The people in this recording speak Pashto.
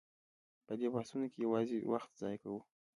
په دې بحثونو کې یوازې وخت ضایع کوو.